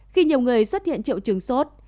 khi nhiều người xuất hiện triệu chứng sốt